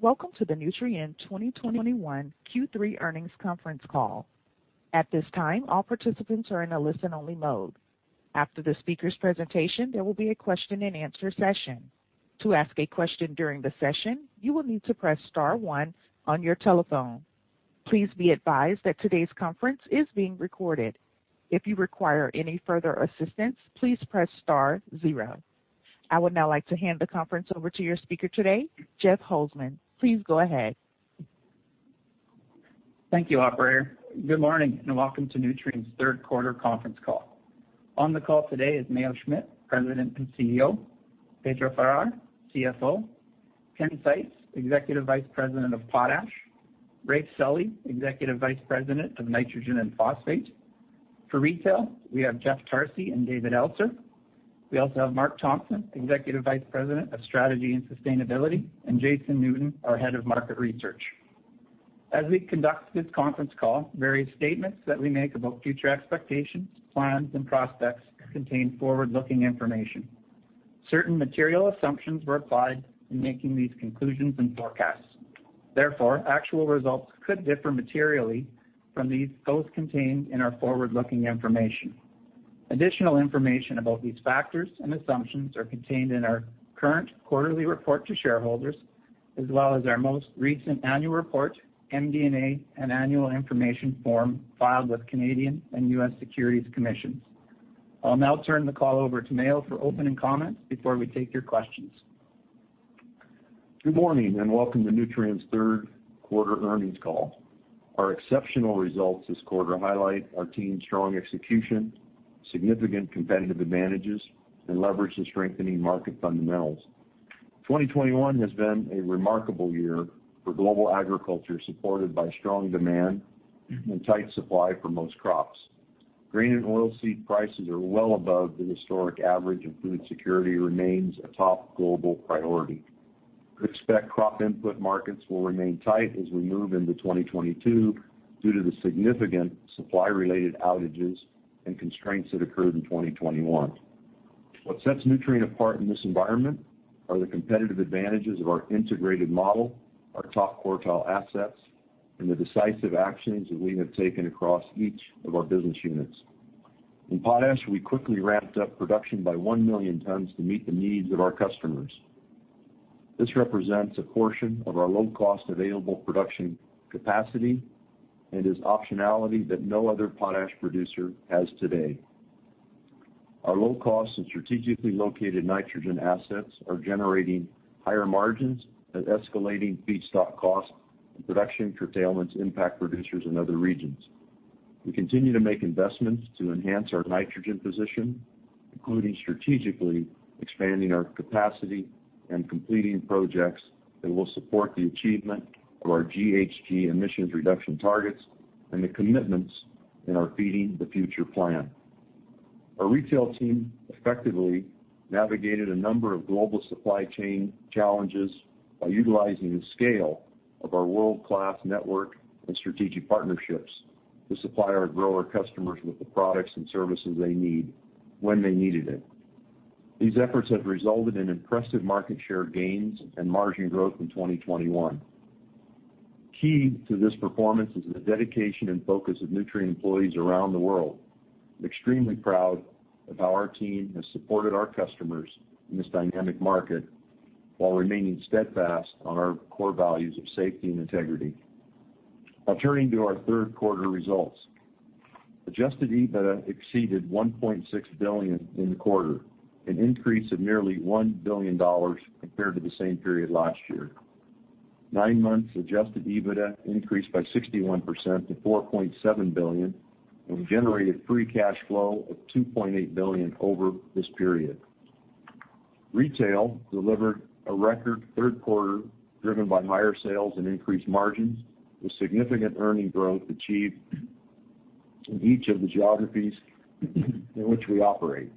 Welcome to the Nutrien 2021 Q3 earnings conference call. At this time, all participants are in a listen-only mode. After the speaker's presentation, there will be a question-and-answer session. To ask a question during the session, you will need to press star one on your telephone. Please be advised that today's conference is being recorded. If you require any further assistance, please press star zero. I would now like to hand the conference over to your speaker today, Jeff Holzman. Please go ahead. Thank you, operator. Good morning, and welcome to Nutrien's third quarter conference call. On the call today is Mayo Schmidt, President and CEO, Pedro Farah, CFO, Ken Seitz, Executive Vice President of Potash, Raef Sully, Executive Vice President of Nitrogen and Phosphate. For retail, we have Jeff Tarsi and David Elser. We also have Mark Thompson, Executive Vice President of Strategy and Sustainability, and Jason Newton, our Head of Market Research. As we conduct this conference call, various statements that we make about future expectations, plans, and prospects contain forward-looking information. Certain material assumptions were applied in making these conclusions and forecasts. Therefore, actual results could differ materially from these, both contained in our forward-looking information. Additional information about these factors and assumptions are contained in our current quarterly report to shareholders, as well as our most recent annual report, MD&A, and annual information form filed with Canadian and U.S. Securities Commissions. I'll now turn the call over to Mayo for opening comments before we take your questions. Good morning, and welcome to Nutrien's third quarter earnings call. Our exceptional results this quarter highlight our team's strong execution, significant competitive advantages, and leverage the strengthening market fundamentals. 2021 has been a remarkable year for global agriculture, supported by strong demand and tight supply for most crops. Grain and oil seed prices are well above the historic average, and food security remains a top global priority. We expect crop input markets will remain tight as we move into 2022 due to the significant supply-related outages and constraints that occurred in 2021. What sets Nutrien apart in this environment are the competitive advantages of our integrated model, our top-quartile assets, and the decisive actions that we have taken across each of our business units. In potash, we quickly ramped up production by 1 million tons to meet the needs of our customers. This represents a portion of our low-cost available production capacity and is optionality that no other potash producer has today. Our low costs and strategically located nitrogen assets are generating higher margins than escalating feedstock costs and production curtailments impact producers in other regions. We continue to make investments to enhance our nitrogen position, including strategically expanding our capacity and completing projects that will support the achievement of our GHG emissions reduction targets and the commitments in our Feeding the Future plan. Our retail team effectively navigated a number of global supply chain challenges by utilizing the scale of our world-class network and strategic partnerships to supply our grower customers with the products and services they need when they needed it. These efforts have resulted in impressive market share gains and margin growth in 2021. Key to this performance is the dedication and focus of Nutrien employees around the world. I'm extremely proud of how our team has supported our customers in this dynamic market while remaining steadfast on our core values of safety and integrity. Now turning to our third quarter results. Adjusted EBITDA exceeded $1.6 billion in the quarter, an increase of nearly $1 billion compared to the same period last year. Nine months adjusted EBITDA increased by 61% to $4.7 billion and generated free cash flow of $2.8 billion over this period. Retail delivered a record third quarter driven by higher sales and increased margins, with significant earning growth achieved in each of the geographies in which we operate.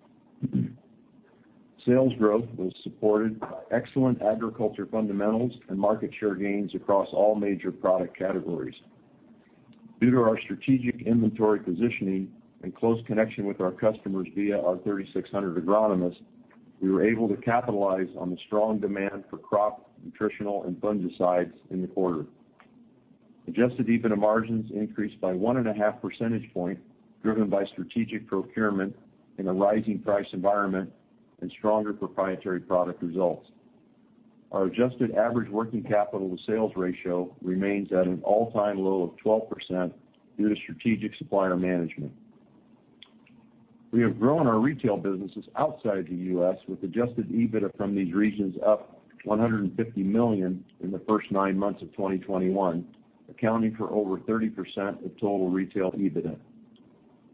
Sales growth was supported by excellent agriculture fundamentals and market share gains across all major product categories. Due to our strategic inventory positioning and close connection with our customers via our 3,600 agronomists, we were able to capitalize on the strong demand for crop, nutritional, and fungicides in the quarter. Adjusted EBITDA margins increased by 1.5 percentage points, driven by strategic procurement in a rising price environment and stronger proprietary product results. Our adjusted average working capital to sales ratio remains at an all-time low of 12% due to strategic supplier management. We have grown our retail businesses outside the U.S., with adjusted EBITDA from these regions up $150 million in the first nine months of 2021, accounting for over 30% of total retail EBITDA.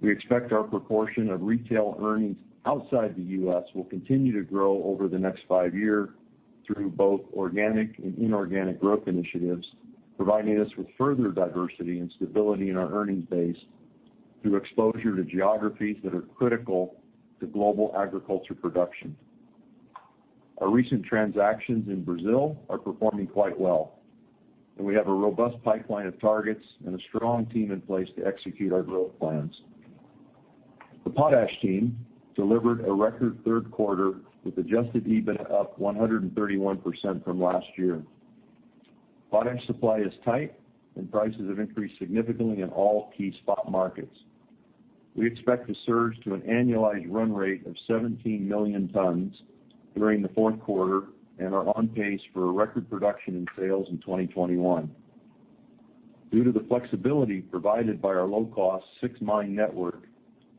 We expect our proportion of retail earnings outside the U.S. will continue to grow over the next five-year through both organic and inorganic growth initiatives, providing us with further diversity and stability in our earnings base through exposure to geographies that are critical to global agriculture production. Our recent transactions in Brazil are performing quite well, and we have a robust pipeline of targets and a strong team in place to execute our growth plans. The potash team delivered a record third quarter with adjusted EBIT up 131% from last year. Potash supply is tight and prices have increased significantly in all key spot markets. We expect to surge to an annualized run rate of 17 million tons during the fourth quarter and are on pace for a record production and sales in 2021. Due to the flexibility provided by our low-cost six-mine network,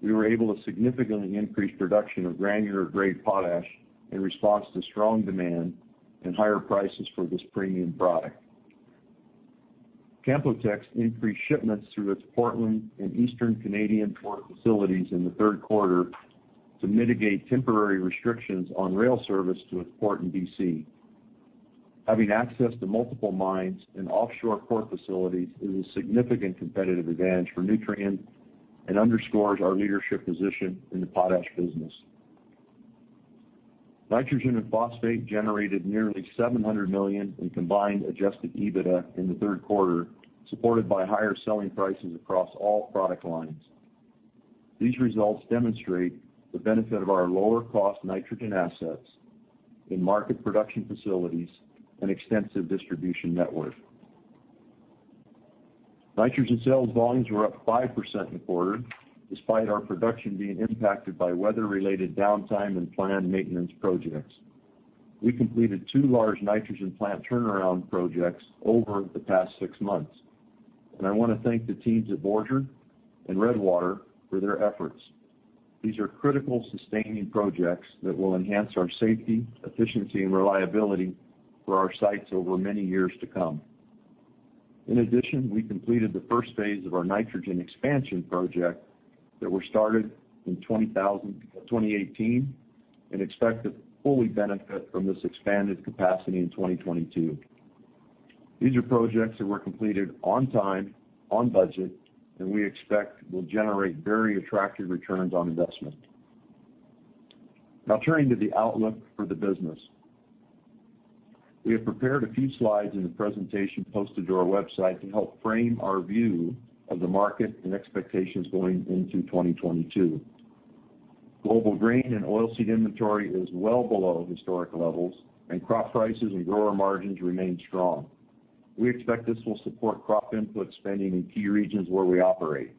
we were able to significantly increase production of granular-grade potash in response to strong demand and higher prices for this premium product. Canpotex increased shipments through its Portland and Eastern Canadian port facilities in the third quarter to mitigate temporary restrictions on rail service to its port in B.C. Having access to multiple mines and offshore port facilities is a significant competitive advantage for Nutrien and underscores our leadership position in the potash business. Nitrogen and phosphate generated nearly $700 million in combined adjusted EBITDA in the third quarter, supported by higher selling prices across all product lines. These results demonstrate the benefit of our lower cost nitrogen assets in-market production facilities and extensive distribution network. Nitrogen sales volumes were up 5% in the quarter, despite our production being impacted by weather-related downtime and planned maintenance projects. We completed two large nitrogen plant turnaround projects over the past six months, and I want to thank the teams at Borger and Redwater for their efforts. These are critical sustaining projects that will enhance our safety, efficiency, and reliability for our sites over many years to come. In addition, we completed the first phase of our nitrogen expansion project that were started in 2018 and expect to fully benefit from this expanded capacity in 2022. These are projects that were completed on time, on budget, and we expect will generate very attractive returns on investment. Now turning to the outlook for the business. We have prepared a few slides in the presentation posted to our website to help frame our view of the market and expectations going into 2022. Global grain and oilseed inventory is well below historic levels, and crop prices and grower margins remain strong. We expect this will support crop input spending in key regions where we operate.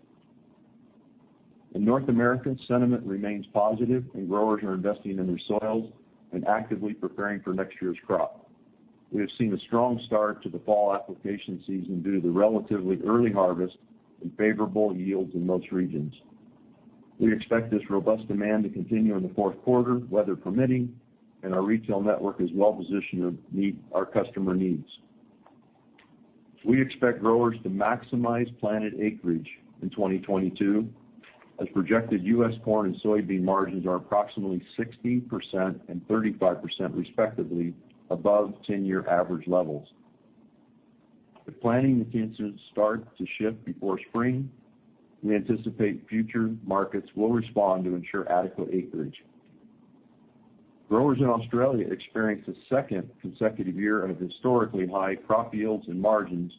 In North America, sentiment remains positive and growers are investing in their soils and actively preparing for next year's crop. We have seen a strong start to the fall application season due to the relatively early harvest and favorable yields in most regions. We expect this robust demand to continue in the fourth quarter, weather permitting, and our retail network is well-positioned to meet our customer needs. We expect growers to maximize planted acreage in 2022 as projected U.S. corn and soybean margins are approximately 60% and 35% respectively above 10-year average levels. If planning intentions start to shift before spring, we anticipate future markets will respond to ensure adequate acreage. Growers in Australia experienced a second consecutive year of historically high crop yields and margins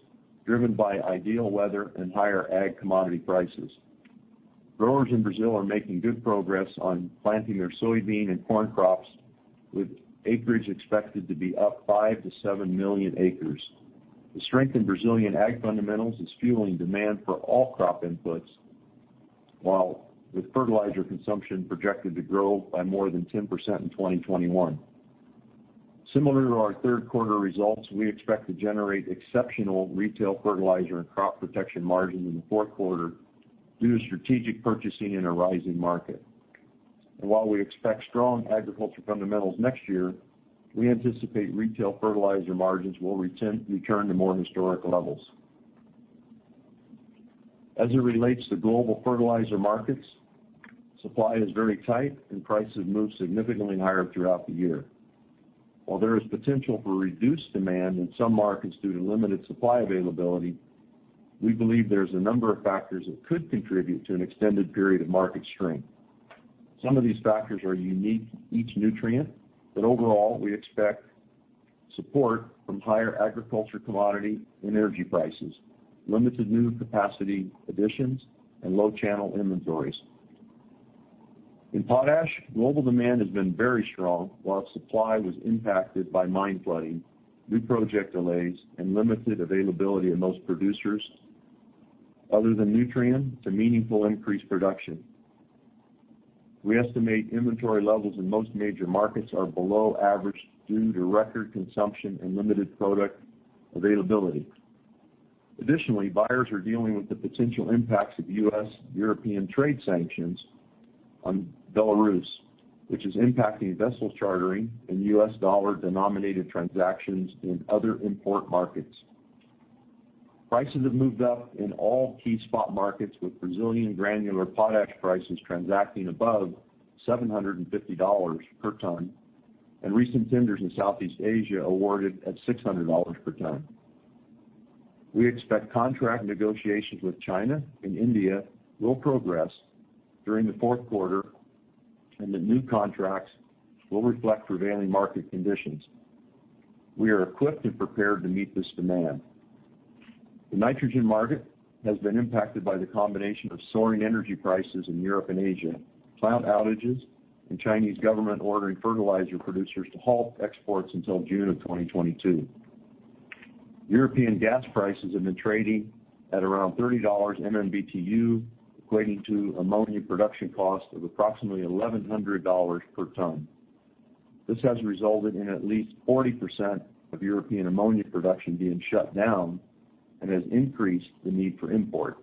driven by ideal weather and higher ag commodity prices. Growers in Brazil are making good progress on planting their soybean and corn crops, with acreage expected to be up 5-7 million acres. The strength in Brazilian ag fundamentals is fueling demand for all crop inputs, with fertilizer consumption projected to grow by more than 10% in 2021. Similar to our third quarter results, we expect to generate exceptional retail fertilizer and crop protection margins in the fourth quarter due to strategic purchasing in a rising market. While we expect strong agriculture fundamentals next year, we anticipate retail fertilizer margins will return to more historic levels. As it relates to global fertilizer markets, supply is very tight and prices move significantly higher throughout the year. While there is potential for reduced demand in some markets due to limited supply availability, we believe there's a number of factors that could contribute to an extended period of market strength. Some of these factors are unique to each nutrient, but overall, we expect support from higher agriculture commodity and energy prices, limited new capacity additions, and low channel inventories. In potash, global demand has been very strong while supply was impacted by mine flooding, new project delays, and limited availability in most producers other than Nutrien to meaningful increased production. We estimate inventory levels in most major markets are below average due to record consumption and limited product availability. Additionally, buyers are dealing with the potential impacts of U.S.-European trade sanctions on Belarus, which is impacting vessel chartering and U.S. dollar-denominated transactions in other import markets. Prices have moved up in all key spot markets, with Brazilian granular potash prices transacting above $750 per ton and recent tenders in Southeast Asia awarded at $600 per ton. We expect contract negotiations with China and India will progress during the fourth quarter. The new contracts will reflect prevailing market conditions. We are equipped and prepared to meet this demand. The nitrogen market has been impacted by the combination of soaring energy prices in Europe and Asia, plant outages, and Chinese government ordering fertilizer producers to halt exports until June of 2022. European gas prices have been trading at around $30 MMBtu, equating to ammonia production cost of approximately $1,100 per ton. This has resulted in at least 40% of European ammonia production being shut down and has increased the need for import.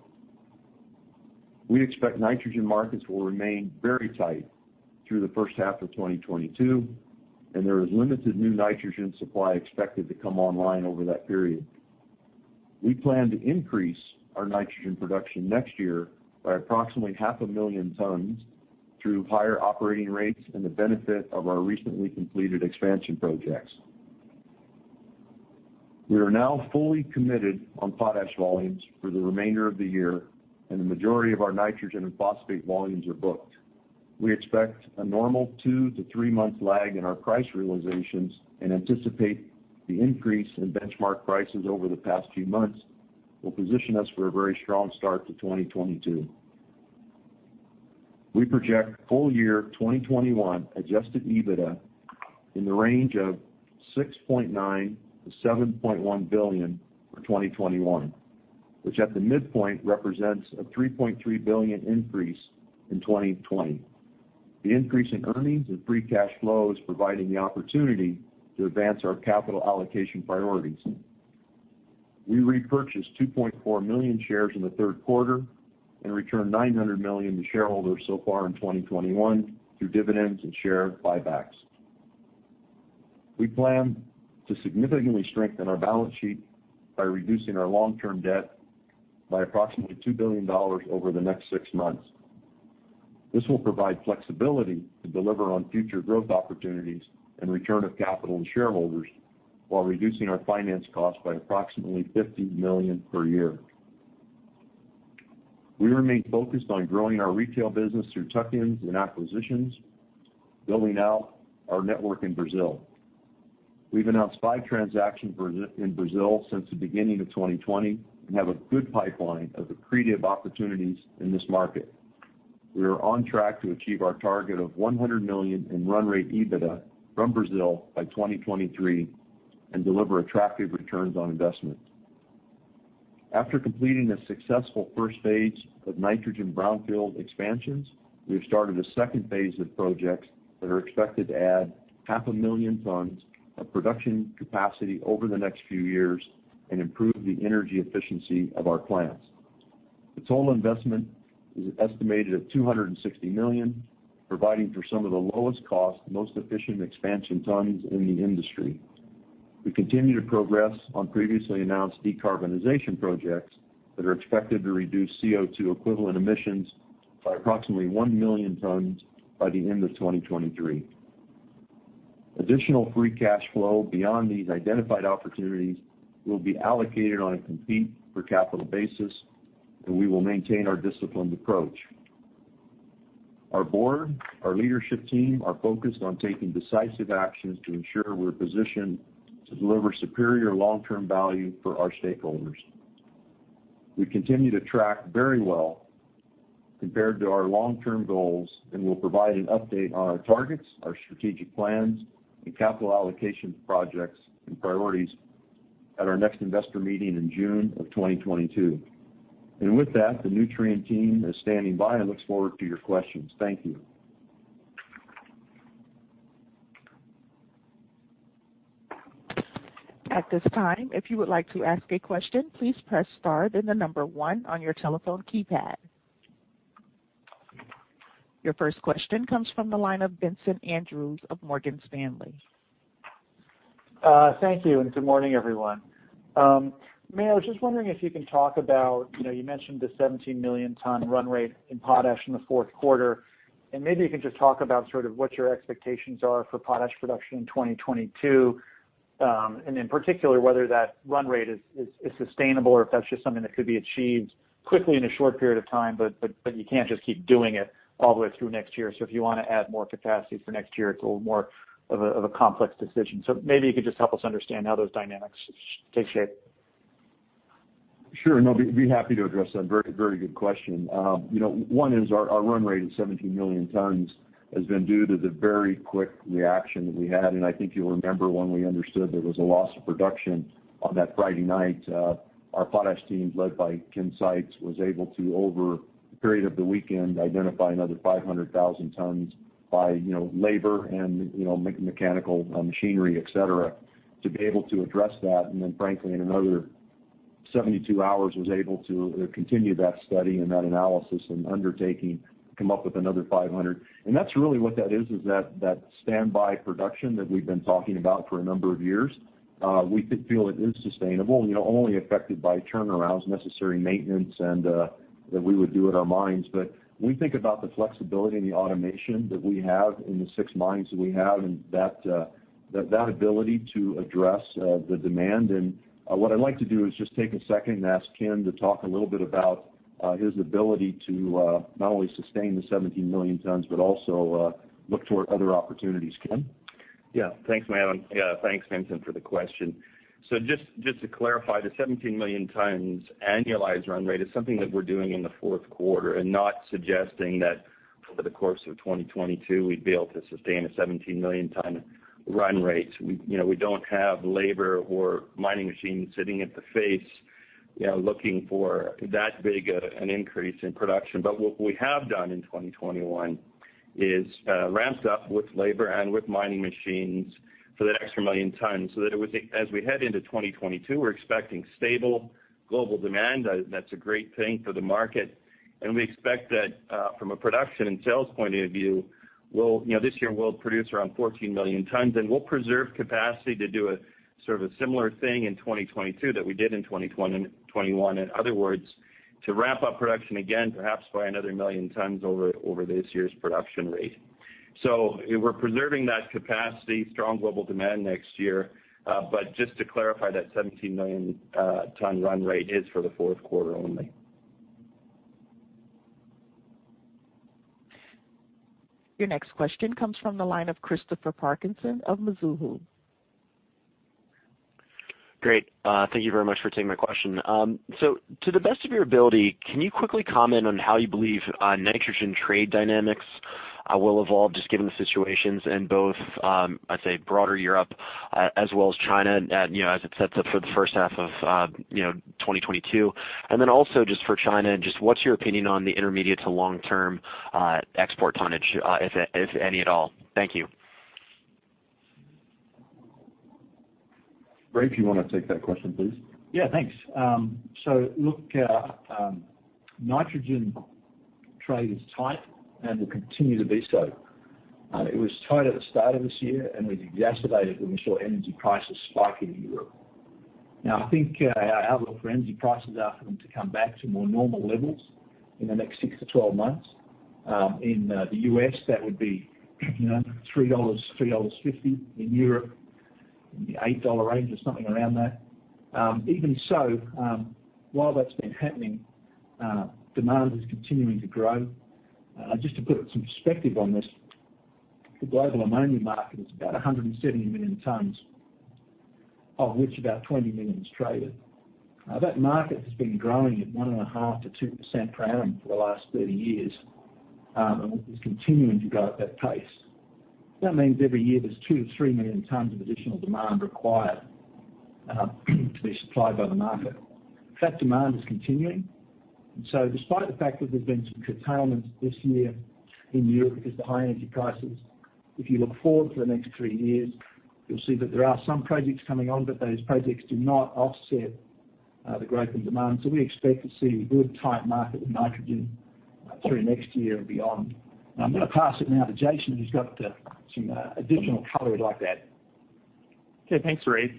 We expect nitrogen markets will remain very tight through the first half of 2022, and there is limited new nitrogen supply expected to come online over that period. We plan to increase our nitrogen production next year by approximately 500,000 tons through higher operating rates and the benefit of our recently completed expansion projects. We are now fully committed on potash volumes for the remainder of the year, and the majority of our nitrogen and phosphate volumes are booked. We expect a normal two to three month lag in our price realizations and anticipate the increase in benchmark prices over the past few months will position us for a very strong start to 2022. We project full-year 2021 adjusted EBITDA in the range of $6.9 billion-$7.1 billion, which at the midpoint represents a $3.3 billion increase in 2020. The increase in earnings and free cash flow is providing the opportunity to advance our capital allocation priorities. We repurchased 2.4 million shares in the third quarter and returned $900 million to shareholders so far in 2021 through dividends and share buybacks. We plan to significantly strengthen our balance sheet by reducing our long-term debt by approximately $2 billion over the next six months. This will provide flexibility to deliver on future growth opportunities and return of capital and shareholders while reducing our finance cost by approximately $50 million per year. We remain focused on growing our retail business through tuck-ins and acquisitions, building out our network in Brazil. We've announced five transactions in Brazil since the beginning of 2020 and have a good pipeline of accretive opportunities in this market. We are on track to achieve our target of $100 million in run rate EBITDA from Brazil by 2023 and deliver attractive returns on investment. After completing a successful first phase of nitrogen brownfield expansions, we have started a second phase of projects that are expected to add 500,000 tons of production capacity over the next few years and improve the energy efficiency of our plants. The total investment is estimated at $260 million, providing for some of the lowest cost, most efficient expansion tons in the industry. We continue to progress on previously announced decarbonization projects that are expected to reduce CO₂ equivalent emissions by approximately 1 million tons by the end of 2023. Additional free cash flow beyond these identified opportunities will be allocated on a compete for capital basis, and we will maintain our disciplined approach. Our board, our leadership team are focused on taking decisive actions to ensure we're positioned to deliver superior long-term value for our stakeholders. We continue to track very well compared to our long-term goals, and we'll provide an update on our targets, our strategic plans, and capital allocation projects and priorities at our next investor meeting in June of 2022. With that, the Nutrien team is standing by and looks forward to your questions. Thank you. Your first question comes from the line of Vincent Andrews of Morgan Stanley. Thank you, and good morning, everyone. Mayo, I was just wondering if you can talk about, you know, you mentioned the 17 million ton run rate in potash in the fourth quarter, and maybe you can just talk about sort of what your expectations are for potash production in 2022, and in particular, whether that run rate is sustainable or if that's just something that could be achieved quickly in a short period of time, but you can't just keep doing it all the way through next year. If you wanna add more capacity for next year, it's a little more of a complex decision. Maybe you could just help us understand how those dynamics take shape. Sure. No, be happy to address that. Very, very good question. You know, one is our run rate of 17 million tons has been due to the very quick reaction that we had. I think you'll remember when we understood there was a loss of production on that Friday night, our potash teams, led by Ken Seitz, was able to, over the period of the weekend, identify another 500,000 tons by, you know, labor and, you know, mechanical machinery, et cetera, to be able to address that. Then frankly, in another 72 hours, was able to continue that study and that analysis and undertaking, come up with another 500. That's really what that is that standby production that we've been talking about for a number of years. We feel it is sustainable, you know, only affected by turnarounds, necessary maintenance, and that we would do at our mines. But when we think about the flexibility and the automation that we have in the six mines that we have and that ability to address the demand. What I'd like to do is just take a second and ask Ken to talk a little bit about his ability to not only sustain the 17 million tons but also look toward other opportunities. Ken? Yeah. Thanks, madam. Yeah, thanks Vincent for the question. Just to clarify, the 17 million tons annualized run rate is something that we're doing in the fourth quarter, and not suggesting that over the course of 2022, we'd be able to sustain a 17 million ton run rate. You know, we don't have labor or mining machines sitting at the face, you know, looking for that big an increase in production. What we have done in 2021 is ramped up with labor and with mining machines for the extra million tons, so that as we head into 2022, we're expecting stable global demand. That's a great thing for the market. We expect that, from a production and sales point of view, we'll, you know, this year we'll produce around 14 million tons, and we'll preserve capacity to do a sort of a similar thing in 2022 that we did in 2020, 2021. In other words, to ramp up production again, perhaps by another 1 million tons over this year's production rate. We're preserving that capacity, strong global demand next year. But just to clarify, that 17 million ton run rate is for the fourth quarter only. Your next question comes from the line of Christopher Parkinson of Mizuho. Great. Thank you very much for taking my question. So to the best of your ability, can you quickly comment on how you believe nitrogen trade dynamics will evolve just given the situations in both, I'd say broader Europe, as well as China, you know, as it sets up for the first half of, you know, 2022? Then also just for China, just what's your opinion on the intermediate- to long-term export tonnage, if any at all? Thank you. Raef, you wanna take that question, please? Yeah, thanks. Look, nitrogen trade is tight and will continue to be so. It was tight at the start of this year, and it was exacerbated when we saw energy prices spike in Europe. Now I think, our outlook for energy prices is for them to come back to more normal levels in the next six to 12 months. In the U.S., that would be, you know, $3-$3.50. In Europe, $8 range or something around there. Even so, while that's been happening, demand is continuing to grow. Just to put some perspective on this, the global ammonia market is about 170 million tons, of which about 20 million is traded. That market has been growing at 1.5%-2% per annum for the last 30 years and is continuing to grow at that pace. That means every year there's 2-3 million tons of additional demand required to be supplied by the market. That demand is continuing. Despite the fact that there's been some curtailment this year in Europe because of the high energy prices, if you look forward to the next three years, you'll see that there are some projects coming on, but those projects do not offset the growth in demand. We expect to see a good tight market with nitrogen through next year and beyond. I'm gonna pass it now to Jason, who's got some additional color he'd like to add. Okay. Thanks, Raef.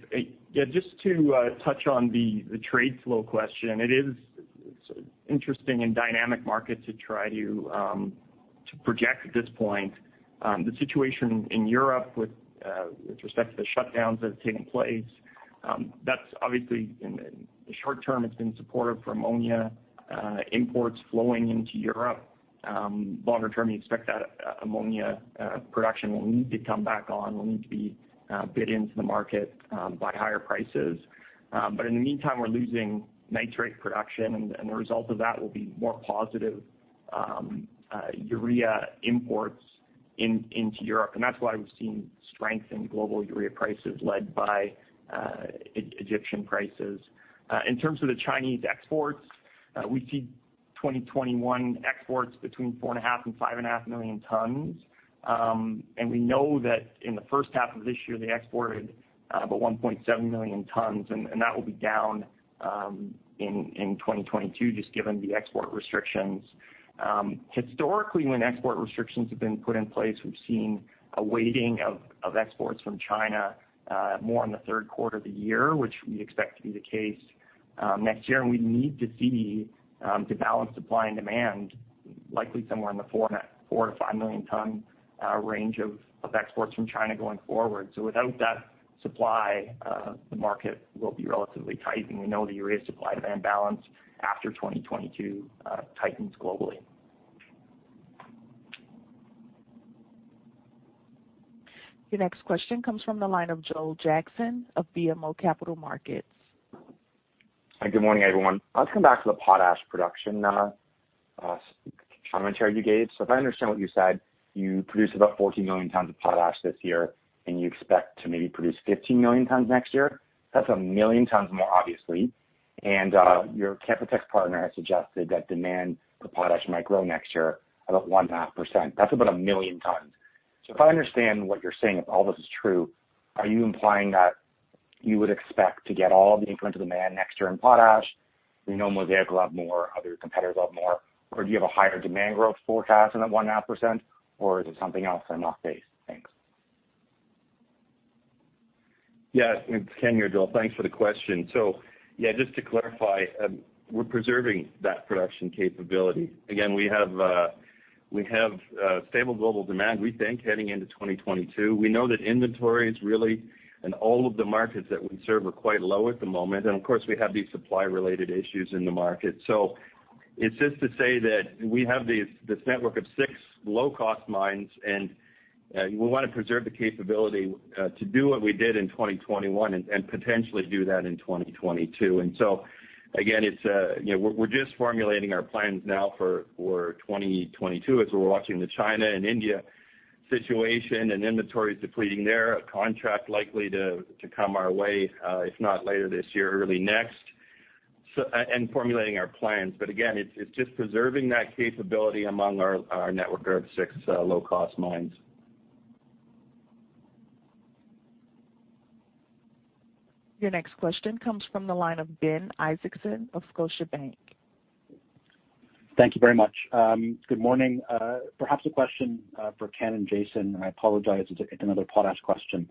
Yeah, just to touch on the trade flow question. It is an interesting and dynamic market to try to project at this point. The situation in Europe with respect to the shutdowns that have taken place, that's obviously in the short term, it's been supportive for ammonia imports flowing into Europe. Longer term, you expect that ammonia production will need to come back on, will need to be bid into the market by higher prices. In the meantime, we're losing nitrate production, the result of that will be more positive urea imports into Europe. That's why we've seen strength in global urea prices led by Egyptian prices. In terms of the Chinese exports, we see 2021 exports between 4.5 and 5.5 million tons. We know that in the first half of this year, they exported about 1.7 million tons, and that will be down in 2022 just given the export restrictions. Historically, when export restrictions have been put in place, we've seen a weighting of exports from China more in the third quarter of the year, which we expect to be the case next year. We need to see, to balance supply and demand, likely somewhere in the 4-5 million tons range of exports from China going forward. Without that supply, the market will be relatively tight. We know the urea supply demand balance after 2022 tightens globally. Your next question comes from the line of Joel Jackson of BMO Capital Markets. Hi, good morning, everyone. I'll just come back to the potash production, commentary you gave. If I understand what you said, you produced about 14 million tons of potash this year, and you expect to maybe produce 15 million tons next year. That's 1 million tons more, obviously. Your CapEx partner has suggested that demand for potash might grow next year about 1.5%. That's about 1 million tons. If I understand what you're saying, if all this is true, are you implying that you would expect to get all of the incremental demand next year in potash? We know Mosaic will have more, other competitors will have more, or do you have a higher demand growth forecast than that 1.5%, or is it something else I'm not seeing? Thanks. Yeah. It's Ken here, Joel. Thanks for the question. Yeah, just to clarify, we're preserving that production capability. Again, we have stable global demand, we think heading into 2022. We know that inventory is really, in all of the markets that we serve, are quite low at the moment. Of course, we have these supply-related issues in the market. It's just to say that we have this network of six low-cost mines, and we wanna preserve the capability to do what we did in 2021 and potentially do that in 2022. Again, it's, you know, we're just formulating our plans now for 2022 as we're watching the China and India situation and inventories depleting there, a contract likely to come our way if not later this year, early next, and formulating our plans. Again, it's just preserving that capability among our network of six low-cost mines. Your next question comes from the line of Ben Isaacson of Scotiabank. Thank you very much. Good morning. Perhaps a question for Ken and Jason, and I apologize, it's another potash question.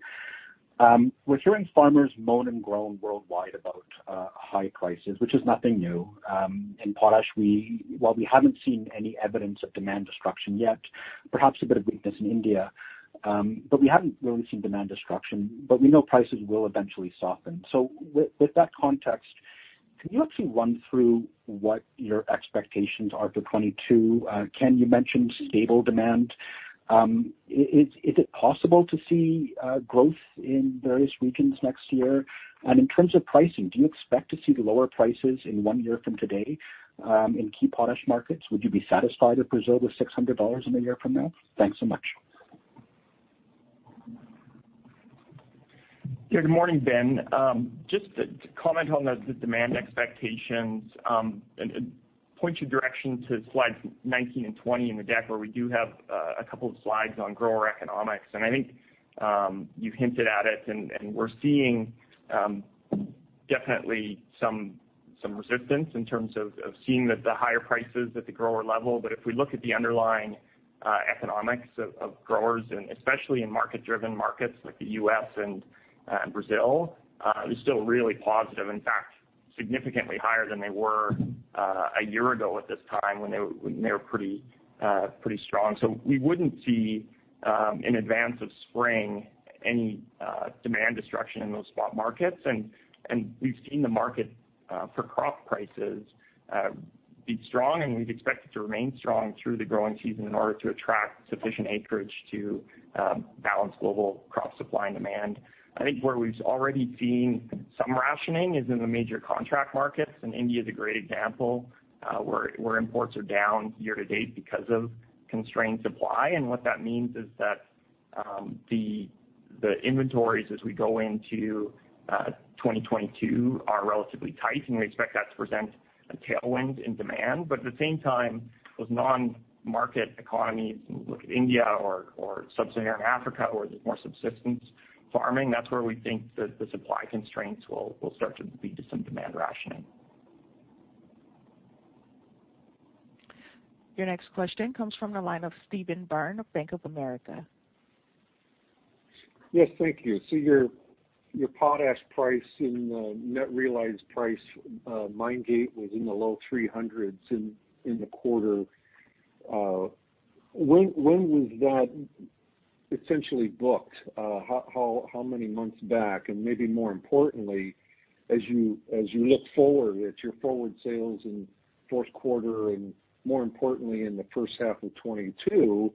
We're hearing farmers moan and groan worldwide about high prices, which is nothing new. In potash, while we haven't seen any evidence of demand destruction yet, perhaps a bit of weakness in India, but we haven't really seen demand destruction, but we know prices will eventually soften. With that context, can you actually run through what your expectations are for 2022? Ken, you mentioned stable demand. Is it possible to see growth in various regions next year? And in terms of pricing, do you expect to see lower prices in one year from today in key potash markets? Would you be satisfied or pleased with $600 in a year from now? Thanks so much. Yeah. Good morning, Ben. Just to comment on the demand expectations and point your direction to slides 19 and 20 in the deck where we do have a couple of slides on grower economics. I think you hinted at it, and we're seeing definitely some resistance in terms of seeing the higher prices at the grower level. If we look at the underlying economics of growers, and especially in market-driven markets like the U.S. and Brazil, they're still really positive. In fact, significantly higher than they were a year ago at this time when they were pretty strong. We wouldn't see in advance of spring any demand destruction in those spot markets. We've seen the market for crop prices be strong, and we'd expect it to remain strong through the growing season in order to attract sufficient acreage to balance global crop supply and demand. I think where we've already seen some rationing is in the major contract markets, and India is a great example, where imports are down year to date because of constrained supply. What that means is that the inventories as we go into 2022 are relatively tight, and we expect that to present a tailwind in demand. At the same time, those non-market economies, when you look at India or Sub-Saharan Africa where there's more subsistence farming, that's where we think the supply constraints will start to lead to some demand rationing. Your next question comes from the line of Stephen Byrne of Bank of America. Yes. Thank you. Your potash price in the net realized price, mine gate was in the low $300s in the quarter. When was that essentially booked? How many months back? Maybe more importantly, as you look forward at your forward sales in fourth quarter, and more importantly in the first half of 2022,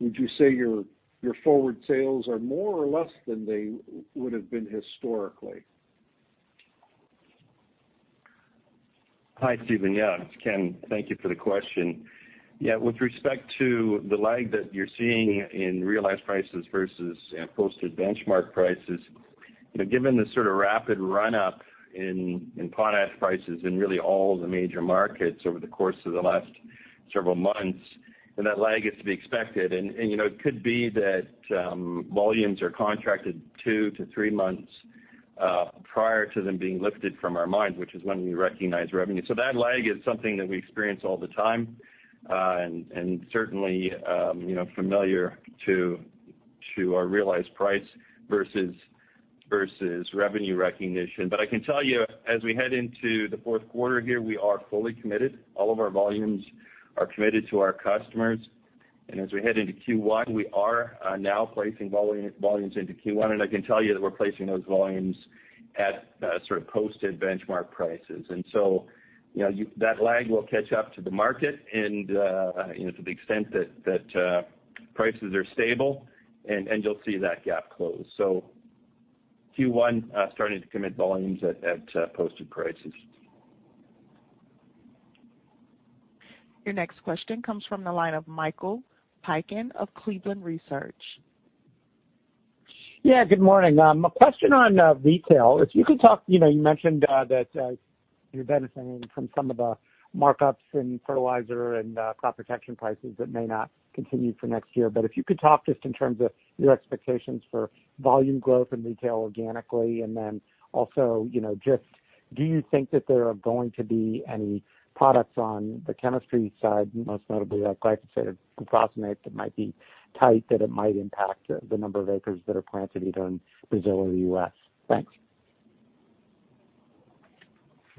would you say your forward sales are more or less than they would have been historically? Hi, Steve. Yeah, it's Ken. Thank you for the question. Yeah. With respect to the lag that you're seeing in realized prices versus, you know, posted benchmark prices, you know, given the sort of rapid run-up in potash prices in really all the major markets over the course of the last several months, then that lag is to be expected. You know, it could be that volumes are contracted two to three months prior to them being lifted from our mines, which is when we recognize revenue. So that lag is something that we experience all the time and certainly you know familiar to our realized price versus revenue recognition. But I can tell you, as we head into the fourth quarter here, we are fully committed. All of our volumes are committed to our customers. As we head into Q1, we are now placing volumes into Q1. I can tell you that we're placing those volumes at sort of posted benchmark prices. You know, that lag will catch up to the market and, you know, to the extent that prices are stable, and you'll see that gap close. Q1 starting to commit volumes at posted prices. Your next question comes from the line of Michael Piken of Cleveland Research. Yeah. Good morning. A question on retail. If you could talk, you know, you mentioned that you're benefiting from some of the markups in fertilizer and crop protection prices that may not continue for next year. But if you could talk just in terms of your expectations for volume growth in retail organically, and then also, you know, just do you think that there are going to be any products on the chemistry side, most notably like glyphosate and glufosinate that might be tight, that it might impact the number of acres that are planted either in Brazil or the U.S.? Thanks.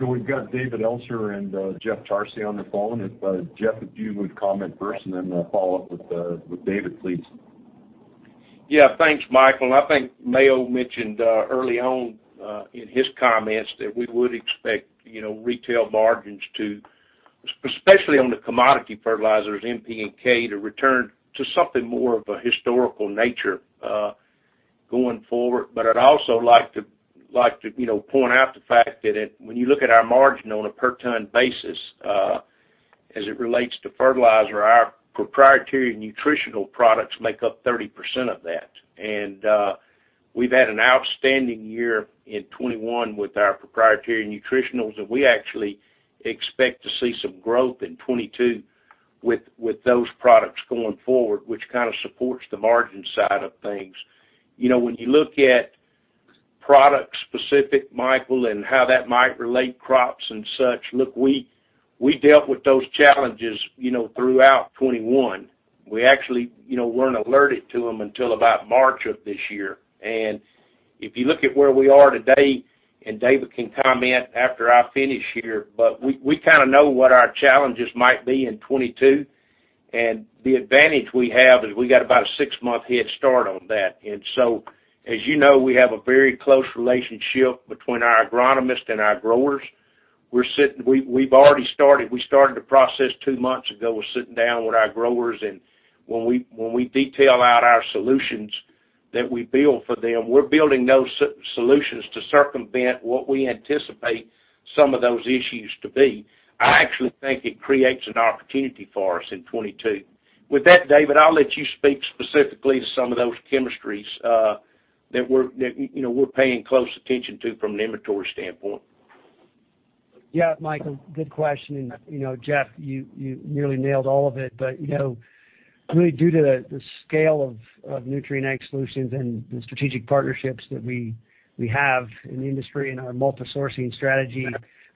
We've got David Elser and Jeff Tarsi on the phone. If, Jeff, you would comment first and then follow up with David, please. Yeah. Thanks, Michael. I think Mayo mentioned early on in his comments that we would expect, you know, retail margins to especially on the commodity fertilizers, N, P, and K, to return to something more of a historical nature going forward. But I'd also like to, you know, point out the fact that it when you look at our margin on a per ton basis as it relates to fertilizer, our proprietary nutritional products make up 30% of that. We've had an outstanding year in 2021 with our proprietary nutritionals, and we actually expect to see some growth in 2022 with those products going forward, which kind of supports the margin side of things. You know, when you look at product specific, Michael, and how that might relate crops and such, look, we dealt with those challenges, you know, throughout 2021. We actually, you know, weren't alerted to them until about March of this year. If you look at where we are today, and David can comment after I finish here, but we kind of know what our challenges might be in 2022. The advantage we have is we got about a six-month head start on that. As you know, we have a very close relationship between our agronomists and our growers. We've already started the process two months ago with sitting down with our growers. When we detail out our solutions that we build for them, we're building those solutions to circumvent what we anticipate some of those issues to be. I actually think it creates an opportunity for us in 2022. With that, David, I'll let you speak specifically to some of those chemistries that you know we're paying close attention to from an inventory standpoint. Yeah, Michael, good question. You know, Jeff, you nearly nailed all of it. You know, really due to the scale of Nutrien Ag Solutions and the strategic partnerships that we have in the industry and our multi-sourcing strategy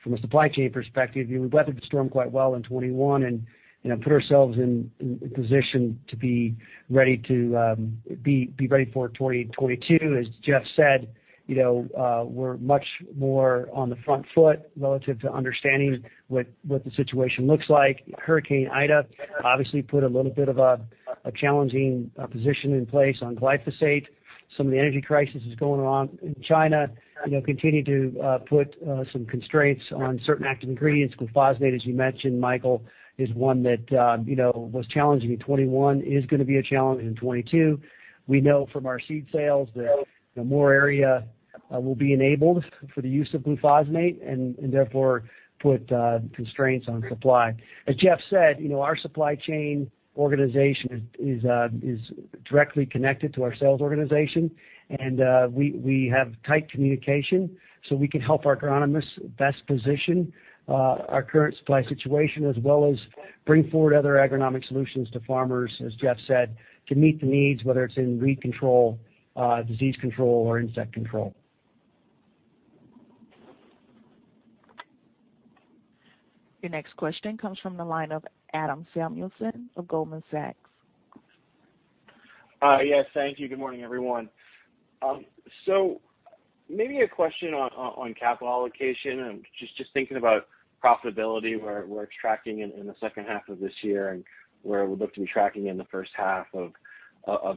from a supply chain perspective, you know, we weathered the storm quite well in 2021 and, you know, put ourselves in a position to be ready for 2022. As Jeff said, you know, we're much more on the front foot relative to understanding what the situation looks like. Hurricane Ida obviously put a little bit of a challenging position in place on glyphosate. Some of the energy crisis is going on in China, you know, continue to put some constraints on certain active ingredients. Glufosinate, as you mentioned, Michael, is one that, you know, was challenging in 2021, is gonna be a challenge in 2022. We know from our seed sales that, you know, more area will be enabled for the use of glufosinate and therefore put constraints on supply. As Jeff said, you know, our supply chain organization is directly connected to our sales organization. We have tight communication, so we can help our agronomists best position our current supply situation as well as bring forward other agronomic solutions to farmers, as Jeff said, to meet the needs, whether it's in weed control, disease control or insect control. Your next question comes from the line of Adam Samuelson of Goldman Sachs. Yes. Thank you. Good morning, everyone. Maybe a question on capital allocation and just thinking about profitability, where it's tracking in the second half of this year and where it would look to be tracking in the first half of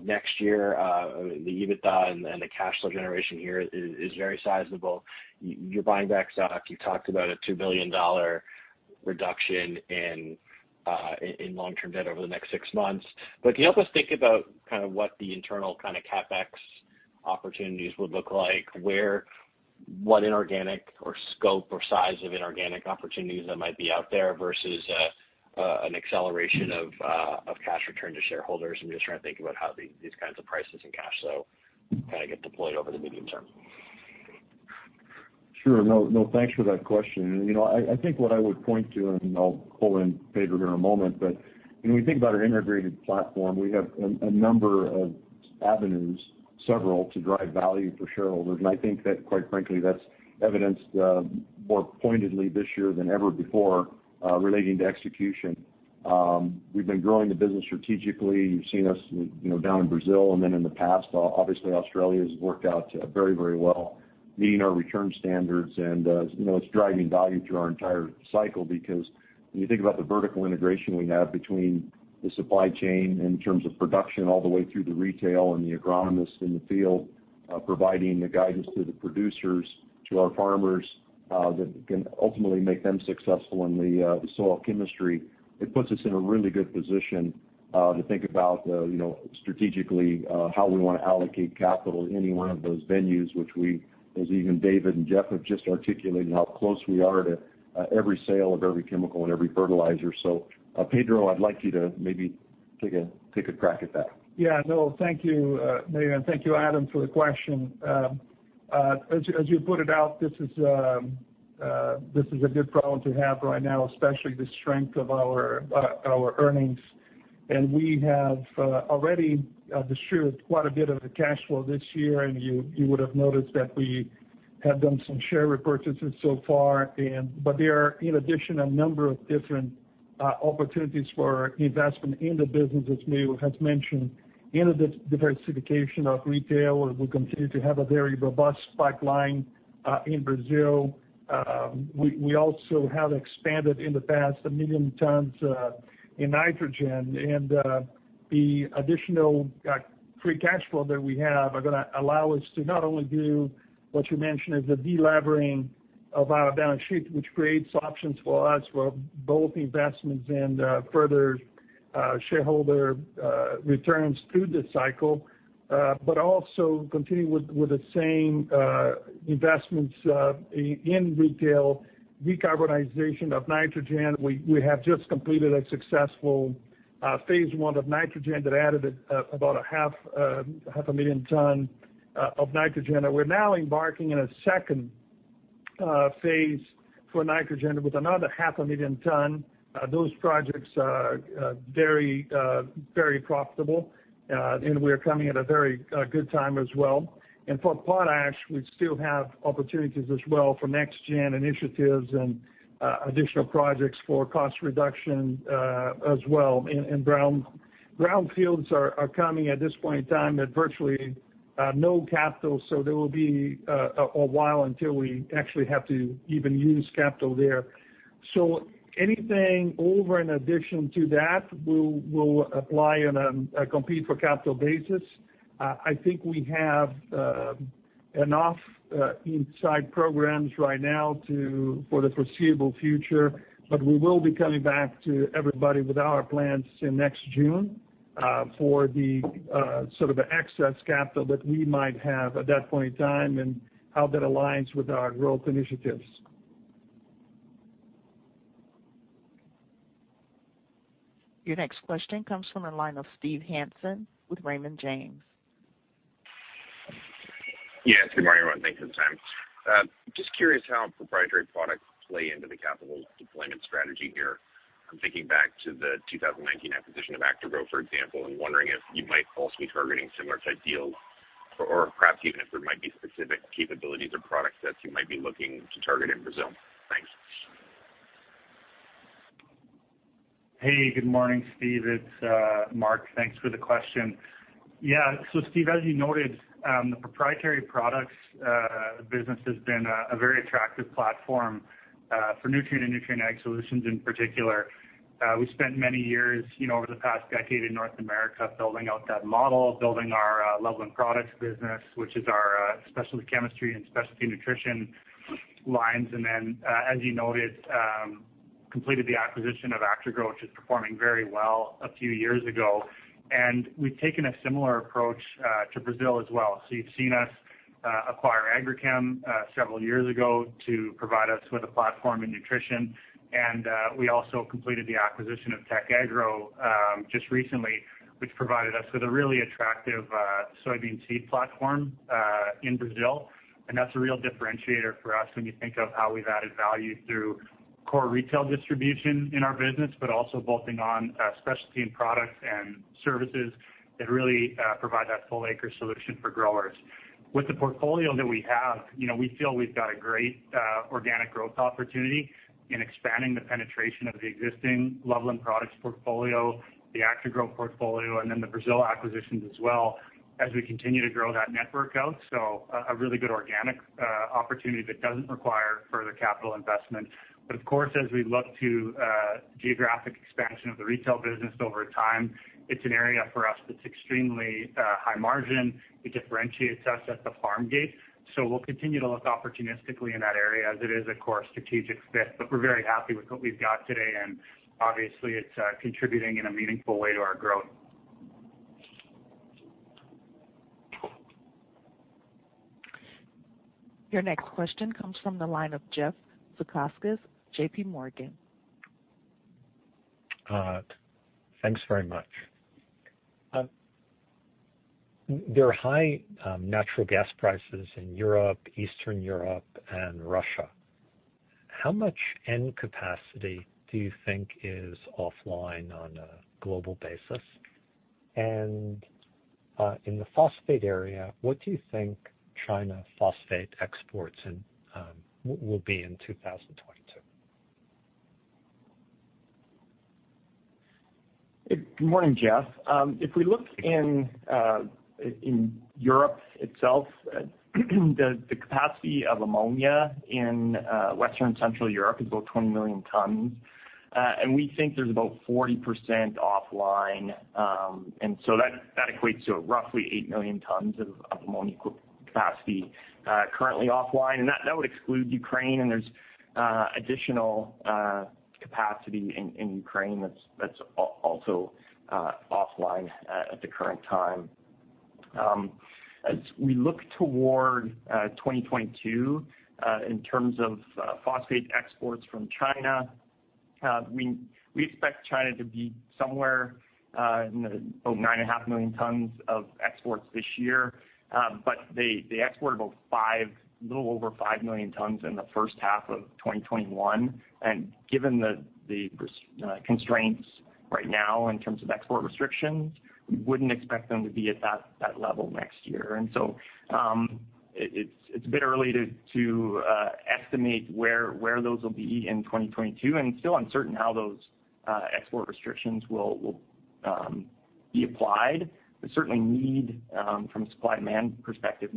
next year. The EBITDA and the cash flow generation here is very sizable. You're buying back stock. You talked about a $2 billion reduction in long-term debt over the next six months. Can you help us think about kind of what the internal kind of CapEx opportunities would look like, where what inorganic or scope or size of inorganic opportunities that might be out there versus an acceleration of cash return to shareholders? I'm just trying to think about how these kinds of prices and cash flow kind of get deployed over the medium term. Sure. No, no, thanks for that question. You know, I think what I would point to, and I'll pull in Pedro here in a moment, but when we think about our integrated platform, we have a number of avenues, several to drive value for shareholders. I think that quite frankly, that's evidenced more pointedly this year than ever before, relating to execution. We've been growing the business strategically. You've seen us, you know, down in Brazil and then in the past. Obviously, Australia has worked out very, very well, meeting our return standards. You know, it's driving value through our entire cycle because when you think about the vertical integration we have between the supply chain in terms of production all the way through the retail and the agronomists in the field, providing the guidance to the producers, to our farmers, that can ultimately make them successful in the soil chemistry, it puts us in a really good position to think about, you know, strategically, how we wanna allocate capital in any one of those venues, which we, as even David and Jeff have just articulated how close we are to every sale of every chemical and every fertilizer. So, Pedro, I'd like you to maybe take a crack at that. Yeah. No, thank you, Mayo, and thank you, Adam, for the question. As you pointed out, this is a good problem to have right now, especially the strength of our earnings. We have already distributed quite a bit of the cash flow this year, and you would've noticed that we have done some share repurchases so far. But there are, in addition, a number of different opportunities for investment in the business as Mayo has mentioned in the diversification of retail, where we continue to have a very robust pipeline in Brazil. We also have expanded in the past 1 million tons in nitrogen. The additional free cash flow that we have are gonna allow us to not only do what you mentioned as the delevering of our balance sheet, which creates options for us for both investments and further shareholder returns through the cycle, but also continue with the same investments in retail, decarbonization of nitrogen. We have just completed a successful phase one of nitrogen that added about 500,000 tons of nitrogen. We're now embarking in a second phase for nitrogen with another 500,000 tons. Those projects are very profitable. We're coming at a very good time as well. For potash, we still have opportunities as well for next gen initiatives and additional projects for cost reduction as well. Brownfields are coming at this point in time at virtually no capital. There will be a while until we actually have to even use capital there. Anything over in addition to that will apply on a compete for capital basis. I think we have enough inside programs right now for the foreseeable future, but we will be coming back to everybody with our plans in next June for the sort of excess capital that we might have at that point in time and how that aligns with our growth initiatives. Your next question comes from the line of Steve Hansen with Raymond James. Yes. Good morning, everyone. Thanks for the time. Just curious how proprietary products play into the capital deployment strategy here. I'm thinking back to the 2019 acquisition of Actagro, for example, and wondering if you might also be targeting similar type deals or perhaps even if there might be specific capabilities or product sets you might be looking to target in Brazil. Thanks. Hey, good morning, Steve. It's Mark. Thanks for the question. Yeah. Steve, as you noted, the proprietary products business has been a very attractive platform for Nutrien and Nutrien Ag Solutions in particular. We spent many years, you know, over the past decade in North America building out that model, building our Loveland Products business, which is our specialty chemistry and specialty nutrition lines. Then, as you noted, we completed the acquisition of Actagro, which is performing very well a few years ago. We've taken a similar approach to Brazil as well. You've seen us acquire Agrichem several years ago to provide us with a platform in nutrition. We also completed the acquisition of Tec Agro just recently, which provided us with a really attractive soybean seed platform in Brazil. That's a real differentiator for us when you think of how we've added value through core retail distribution in our business, but also bolting on specialty and products and services that really provide that full acre solution for growers. With the portfolio that we have, you know, we feel we've got a great organic growth opportunity in expanding the penetration of the existing Loveland Products portfolio, the Actagro portfolio, and then the Brazil acquisitions as well as we continue to grow that network out. A really good organic opportunity that doesn't require further capital investment. Of course, as we look to geographic expansion of the retail business over time, it's an area for us that's extremely high margin. It differentiates us at the farm gate. We'll continue to look opportunistically in that area as it is a core strategic fit. We're very happy with what we've got today, and obviously it's contributing in a meaningful way to our growth. Your next question comes from the line of Jeff Zekauskas, JPMorgan. Thanks very much. There are high natural gas prices in Europe, Eastern Europe, and Russia. How much net capacity do you think is offline on a global basis? In the phosphate area, what do you think China's phosphate exports in 2022 will be? Good morning, Jeff. If we look in Europe itself, the capacity of ammonia in Western Central Europe is about 20 million tons. We think there's about 40% offline. That equates to roughly 8 million tons of ammonia capacity currently offline. That would exclude Ukraine, and there's additional capacity in Ukraine that's also offline at the current time. As we look toward 2022, in terms of phosphate exports from China, we expect China to be somewhere, you know, about 9.5 million tons of exports this year. They export about 5 million, a little over 5 million tons in the first half of 2021. Given the constraints right now in terms of export restrictions, we wouldn't expect them to be at that level next year. It's a bit early to estimate where those will be in 2022, and it's still uncertain how those export restrictions will be applied. Certainly need from a supply and demand perspective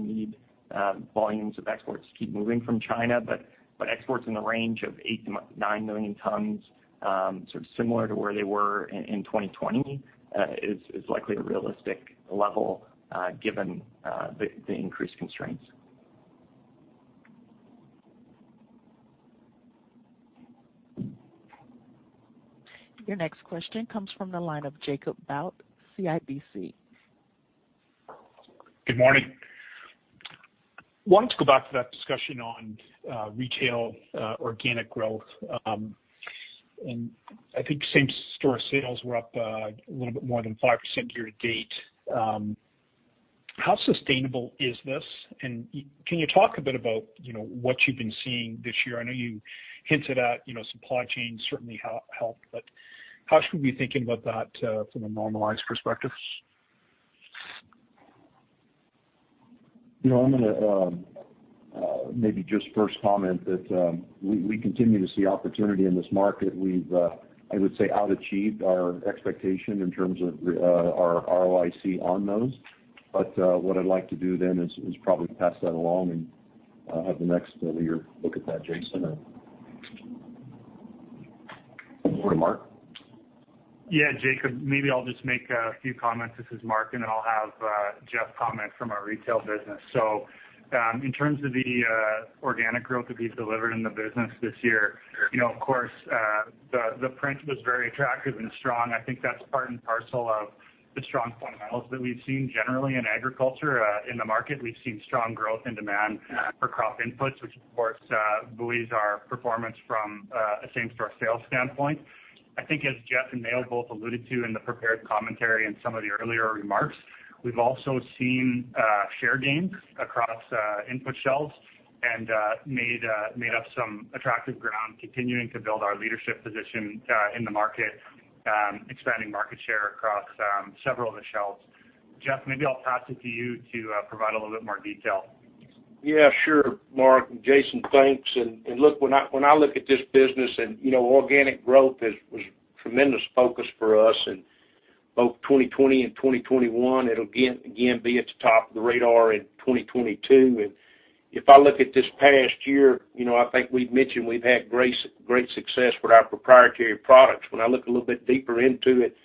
volumes of exports to keep moving from China. Exports in the range of 8-9 million tons, sort of similar to where they were in 2020, is likely a realistic level, given the increased constraints. Your next question comes from the line of Jacob Bout, CIBC. Good morning. I wanted to go back to that discussion on retail organic growth, and I think same-store sales were up a little bit more than 5% year to date. How sustainable is this? Can you talk a bit about, you know, what you've been seeing this year? I know you hinted at, you know, supply chain certainly helped, but how should we be thinking about that from a normalized perspective? You know, I'm gonna maybe just first comment that we continue to see opportunity in this market. We've, I would say, outachieved our expectation in terms of our ROIC on those. What I'd like to do then is probably pass that along and have the next leader look at that. Jason or Mark. Yeah, Jacob, maybe I'll just make a few comments. This is Mark, and then I'll have Jeff comment from our retail business. In terms of the organic growth that we've delivered in the business this year, you know, of course, the print was very attractive and strong. I think that's part and parcel of the strong fundamentals that we've seen generally in agriculture. In the market, we've seen strong growth and demand for crop inputs, which of course buoys our performance from a same-store sales standpoint. I think as Jeff and Mayo both alluded to in the prepared commentary and some of the earlier remarks, we've also seen share gains across input shelves and made up some attractive ground continuing to build our leadership position in the market, expanding market share across several of the shelves. Jeff, maybe I'll pass it to you to provide a little bit more detail. Yeah, sure, Mark. Jason, thanks. Look, when I look at this business and, you know, organic growth was tremendous focus for us in both 2020 and 2021. It'll again be at the top of the radar in 2022. If I look at this past year, you know, I think we've mentioned we've had great success with our proprietary products. When I look a little bit deeper into it,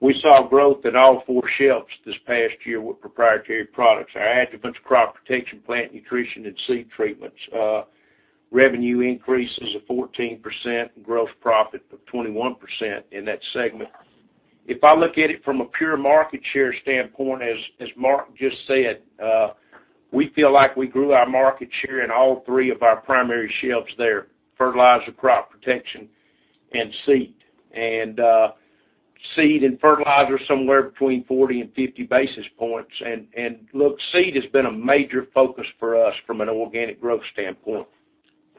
we saw growth at all four shelves this past year with proprietary products. Our adjuvants, crop protection, plant nutrition, and seed treatments. Revenue increases of 14% and gross profit of 21% in that segment. If I look at it from a pure market share standpoint, as Mark just said, we feel like we grew our market share in all three of our primary shelves there, fertilizer, crop protection, and seed. Seed and fertilizer somewhere between 40 and 50 basis points. Look, seed has been a major focus for us from an organic growth standpoint.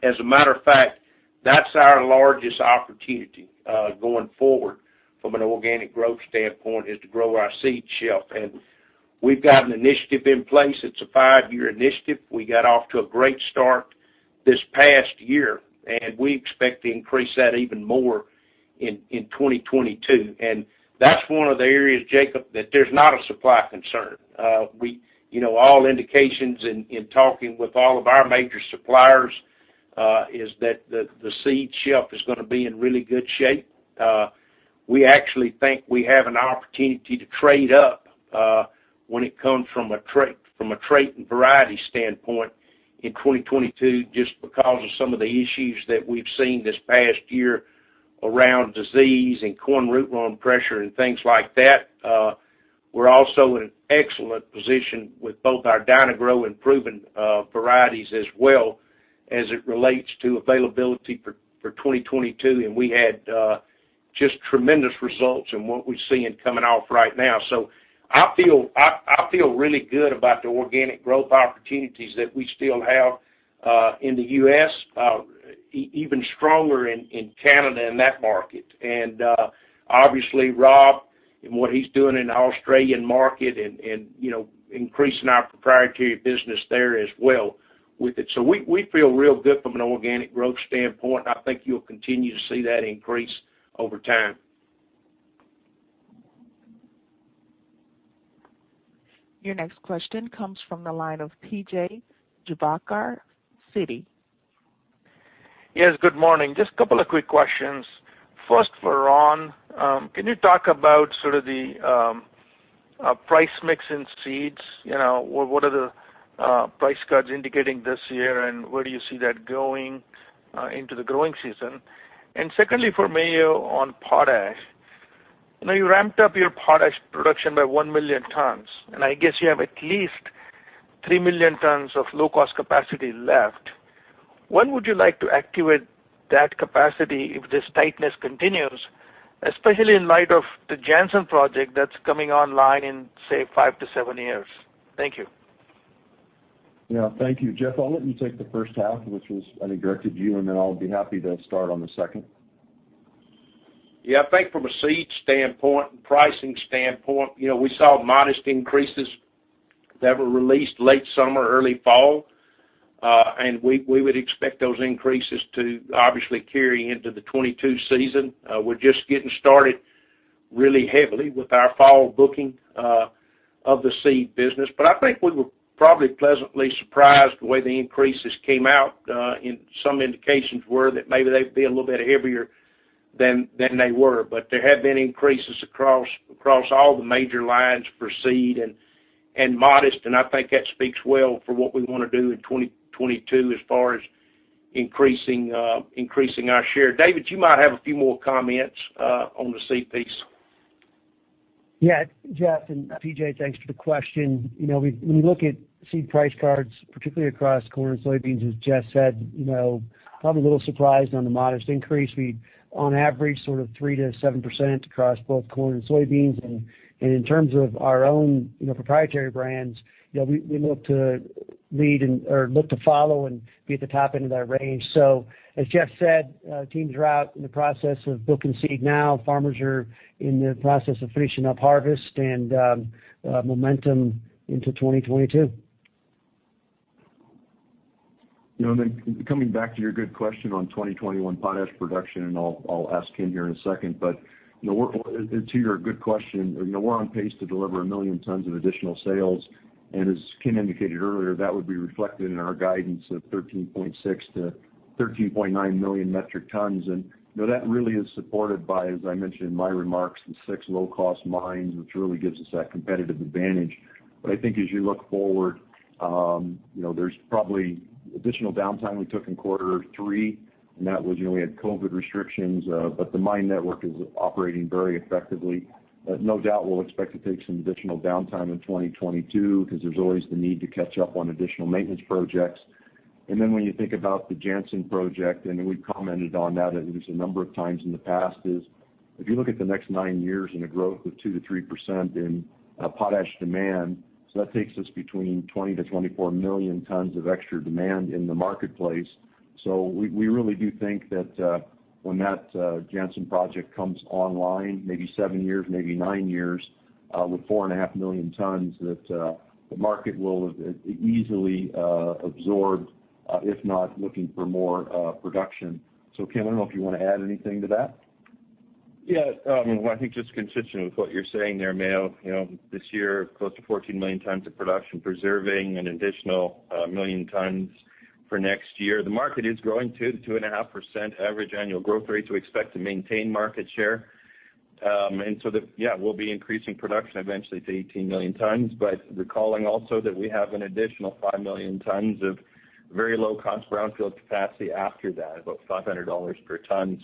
As a matter of fact, that's our largest opportunity going forward from an organic growth standpoint is to grow our seed shelf. We've got an initiative in place. It's a five-year initiative. We got off to a great start this past year, and we expect to increase that even more in 2022. That's one of the areas, Jacob, that there's not a supply concern. We... You know, all indications in talking with all of our major suppliers is that the seed shelf is gonna be in really good shape. We actually think we have an opportunity to trade up when it comes to a trait and variety standpoint in 2022, just because of some of the issues that we've seen this past year around disease and corn rootworm pressure and things like that. We're also in an excellent position with both our Dyna-Gro and Proven varieties as well as it relates to availability for 2022, and we had just tremendous results in what we're seeing coming off right now. I feel really good about the organic growth opportunities that we still have in the U.S. Even stronger in Canada in that market. Obviously, Rob and what he's doing in the Australian market and, you know, increasing our proprietary business there as well with it. We feel real good from an organic growth standpoint, and I think you'll continue to see that increase over time. Your next question comes from the line of P.J. Juvekar, Citi. Yes, good morning. Just a couple of quick questions. First for Ron. Can you talk about sort of the price mix in seeds? You know, what are the price cuts indicating this year, and where do you see that going into the growing season? Secondly, for Mayo on potash. Now, you ramped up your potash production by 1 million tons, and I guess you have at least 3 million tons of low-cost capacity left. When would you like to activate that capacity if this tightness continues, especially in light of the Jansen project that's coming online in, say, five to seven years? Thank you. Yeah. Thank you. Jeff, I'll let you take the first half, which was, I think, directed to you, and then I'll be happy to start on the second. Yeah. I think from a seed standpoint and pricing standpoint, you know, we saw modest increases that were released late summer, early fall. We would expect those increases to obviously carry into the 2022 season. We're just getting started really heavily with our fall booking of the seed business. I think we were probably pleasantly surprised the way the increases came out. Some indications were that maybe they'd be a little bit heavier. Then they were. There have been increases across all the major lines for seed and modest, and I think that speaks well for what we wanna do in 2022 as far as increasing our share. David, you might have a few more comments on the seed piece. Jeff and P.J., thanks for the question. You know, when you look at seed price cards, particularly across corn and soybeans, as Jeff said, you know, probably a little surprised on the modest increase. We on average sort of 3%-7% across both corn and soybeans. In terms of our own, you know, proprietary brands, you know, we look to follow and be at the top end of that range. As Jeff said, teams are out in the process of booking seed now. Farmers are in the process of finishing up harvest and momentum into 2022. You know, and then coming back to your good question on 2021 potash production, and I'll ask Ken here in a second, but you know, we're on pace to deliver 1 million tons of additional sales. As Ken indicated earlier, that would be reflected in our guidance of 13.6-13.9 million metric tons. You know, that really is supported by, as I mentioned in my remarks, the six low-cost mines, which really gives us that competitive advantage. I think as you look forward, you know, there's probably additional downtime we took in quarter three, and that was, you know, we had COVID restrictions, but the mine network is operating very effectively. No doubt, we'll expect to take some additional downtime in 2022 'cause there's always the need to catch up on additional maintenance projects. Then when you think about the Jansen project, and we've commented on that at least a number of times in the past, if you look at the next nine years and a growth of 2%-3% in potash demand, that takes us between 20-24 million tons of extra demand in the marketplace. We really do think that when that Jansen project comes online, maybe seven years, maybe nine years, with 4.5 million tons, the market will easily absorb if not looking for more production. Ken, I don't know if you wanna add anything to that. Yeah. Well, I think just consistent with what you're saying there, Mayo. You know, this year, close to 14 million tons of production, preserving an additional 1 million tons for next year. The market is growing 2%-2.5% average annual growth rate. We expect to maintain market share. Yeah, we'll be increasing production eventually to 18 million tons. Recalling also that we have an additional 5 million tons of very low-cost brownfield capacity after that, about $500 per ton.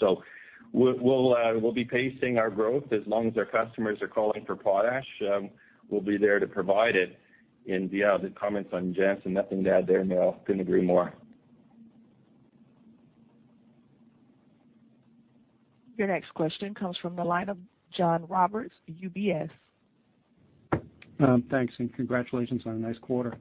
We'll be pacing our growth. As long as our customers are calling for potash, we'll be there to provide it. Yeah, the comments on Jansen, nothing to add there, Mayo. Couldn't agree more. Your next question comes from the line of John Roberts, UBS. Thanks, and congratulations on a nice quarter.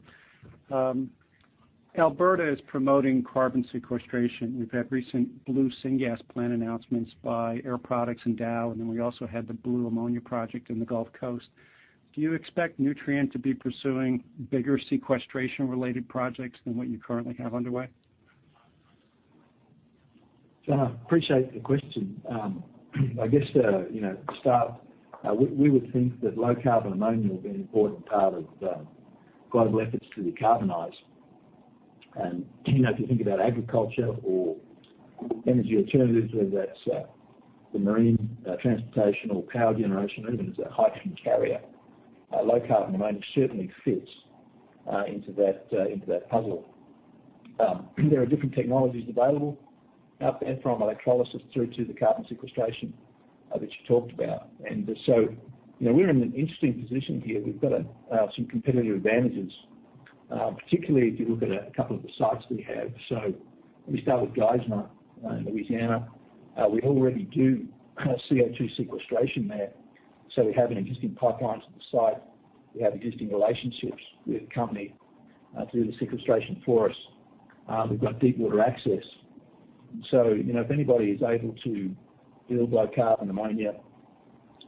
Alberta is promoting carbon sequestration. We've had recent blue hydrogen plant announcements by Air Products and Dow, and then we also had the blue ammonia project in the Gulf Coast. Do you expect Nutrien to be pursuing bigger sequestration-related projects than what you currently have underway? John, I appreciate the question. I guess to start, you know, we would think that low carbon ammonia will be an important part of the global efforts to decarbonize. You know, if you think about agriculture or energy alternatives, whether that's the marine transportation or power generation or even as a hydrogen carrier, low carbon ammonia certainly fits into that puzzle. There are different technologies available out there from electrolysis through to the carbon sequestration that you talked about. You know, we're in an interesting position here. We've got some competitive advantages, particularly if you look at a couple of the sites we have. Let me start with Geismar in Louisiana. We already do kind of CO2 sequestration there, so we have an existing pipeline to the site. We have existing relationships with the company to do the sequestration for us. We've got deep water access. You know, if anybody is able to build low carbon ammonia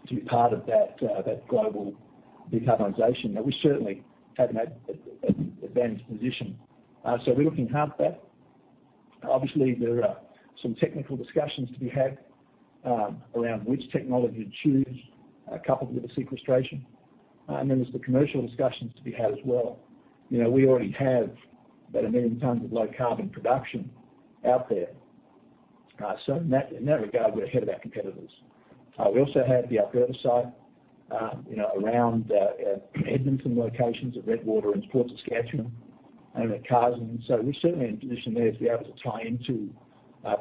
to be part of that global decarbonization, you know, we certainly have an advantaged position. We're looking hard at that. Obviously, there are some technical discussions to be had around which technology to choose, coupled with the sequestration, and then there's the commercial discussions to be had as well. You know, we already have about 1 million tons of low carbon production out there. So in that regard, we're ahead of our competitors. We also have the Alberta site, you know, around Edmonton locations at Redwater and Fort Saskatchewan and at Carseland. We're certainly in position there to be able to tie into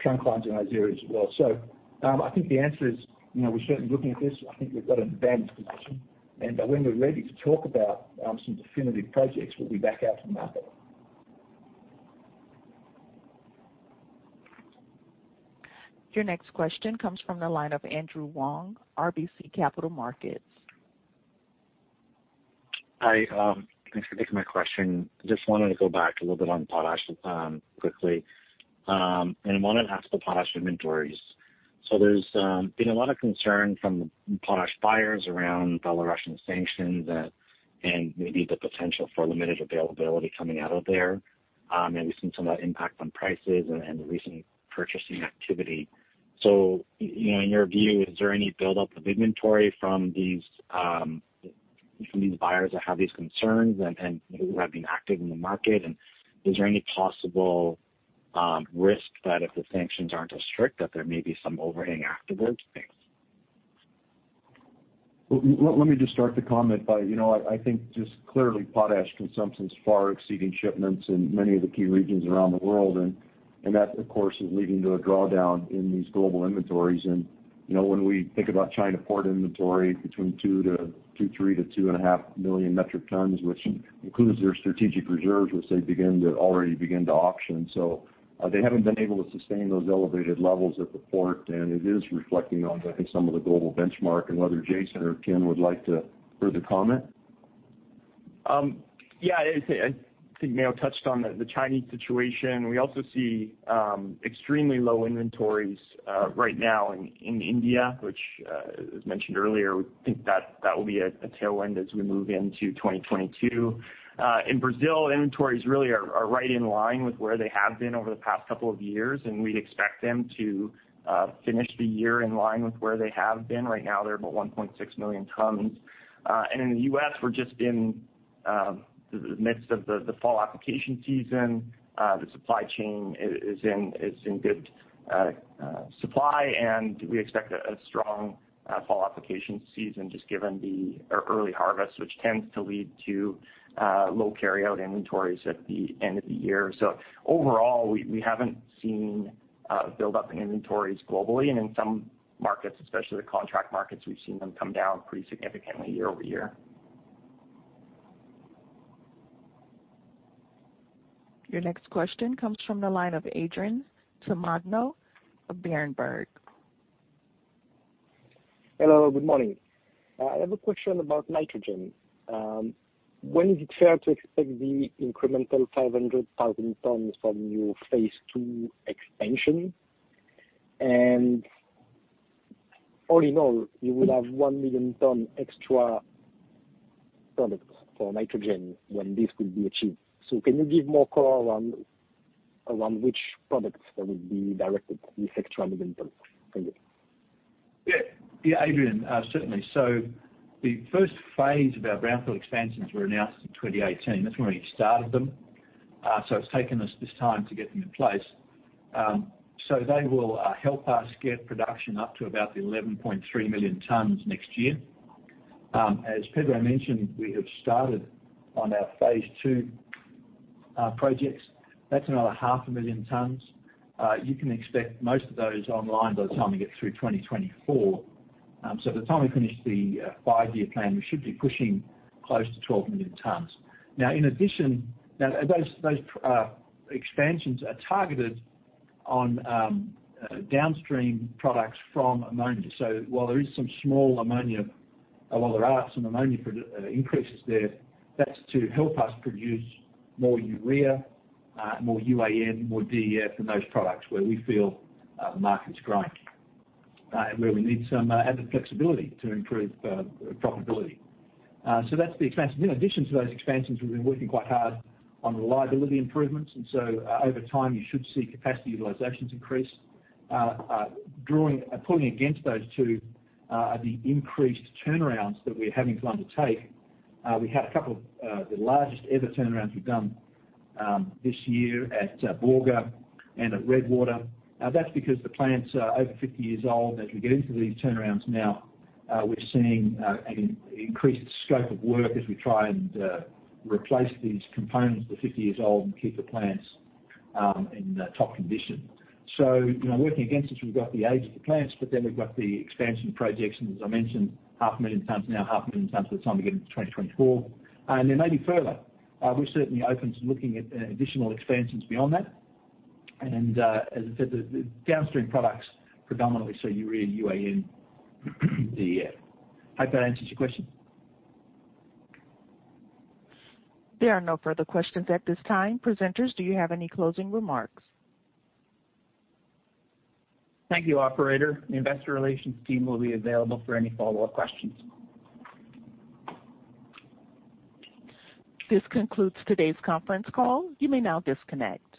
trunk lines in those areas as well. I think the answer is, you know, we're certainly looking at this. I think we've got an advantaged position. When we're ready to talk about some definitive projects, we'll be back out to the market. Your next question comes from the line of Andrew Wong, RBC Capital Markets. Hi, thanks for taking my question. Just wanted to go back a little bit on potash, quickly. I wanted to ask about potash inventories. There's been a lot of concern from potash buyers around Belarusian sanctions, and maybe the potential for limited availability coming out of there. We've seen some of that impact on prices and the recent purchasing activity. You know, in your view, is there any buildup of inventory from these buyers that have these concerns and who have been active in the market. Is there any possible risk that if the sanctions aren't as strict that there may be some overhang afterwards? Thanks. Well, let me just start the comment by, you know what? I think just clearly potash consumption is far exceeding shipments in many of the key regions around the world. That, of course, is leading to a drawdown in these global inventories. You know, when we think about China port inventory between 2.3-2.5 million metric tons, which includes their strategic reserves, which they already begin to auction. They haven't been able to sustain those elevated levels at the port, and it is reflecting on, I think, some of the global benchmark, and whether Jason or Ken would like to further comment. Yeah, I'd say, I think Mayo touched on the Chinese situation. We also see extremely low inventories right now in India, which, as mentioned earlier, we think that will be a tailwind as we move into 2022. In Brazil, inventories really are right in line with where they have been over the past couple of years, and we expect them to finish the year in line with where they have been. Right now, they're about 1.6 million tons. In the U.S., we're just in the midst of the fall application season. The supply chain is in good supply, and we expect a strong fall application season just given the early harvest, which tends to lead to low carryout inventories at the end of the year. Overall, we haven't seen buildup in inventories globally and in some markets, especially the contract markets, we've seen them come down pretty significantly year-over-year. Your next question comes from the line of Adrien Tamagno of Berenberg. Hello, good morning. I have a question about nitrogen. When is it fair to expect the incremental 500,000 tons from your phase two expansion? All in all, you will have 1 million ton extra product for nitrogen when this will be achieved. Can you give more color around which products that will be directed to this extra million tons? Thank you. Yeah. Yeah, Adrien, certainly. The first phase of our brownfield expansions were announced in 2018. That's when we started them. It's taken us this time to get them in place. They will help us get production up to about 11.3 million tons next year. As Pedro mentioned, we have started on our phase two projects. That's another 0.5 million tons. You can expect most of those online by the time we get through 2024. By the time we finish the five-year plan, we should be pushing close to 12 million tons. Now in addition, those expansions are targeted on downstream products from ammonia. While there are some small ammonia production increases there, that's to help us produce more urea, more UAN, more DEF and those products where we feel the market's growing and where we need some added flexibility to improve profitability. That's the expansion. In addition to those expansions, we've been working quite hard on reliability improvements, and so over time, you should see capacity utilizations increase. Pulling against those two are the increased turnarounds that we're having to undertake. We had a couple of the largest ever turnarounds we've done this year at Borger and at Redwater. That's because the plants are over 50 years old. As we get into these turnarounds now, we're seeing an increased scope of work as we try and replace these components that are 50 years old and keep the plants in top condition. You know, working against this, we've got the age of the plants, but then we've got the expansion projects. As I mentioned, 500,000 tons now, 500,000 tons by the time we get into 2024. There may be further. We're certainly open to looking at additional expansions beyond that. As I said, the downstream products predominantly, so urea, UAN, DEF. Hope that answers your question. There are no further questions at this time. Presenters, do you have any closing remarks? Thank you, operator. The investor relations team will be available for any follow-up questions. This concludes today's conference call. You may now disconnect.